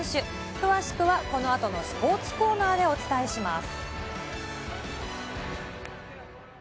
詳しくはこのあとのスポーツコーナーでお伝えします。